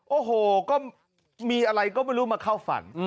โอ้โหก็มีอะไรก็ไม่รู้มาเข้าฝัน